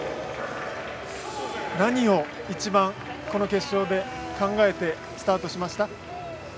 何を一番、この決勝で考えてスタートしました？